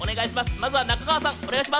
まずは中川さん。